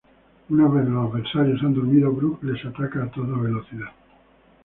Una vez los adversarios se han dormido, Brook los ataca a toda velocidad.